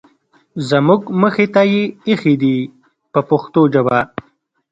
زموږ مخې ته یې اېښي دي په پښتو ژبه.